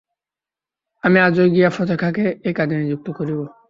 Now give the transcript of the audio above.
আমি আজই গিয়া ফতে খাঁকে এই কাজে নিযুক্ত করিব।